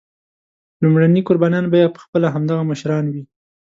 لومړني قربانیان به یې پخپله همدغه مشران وي.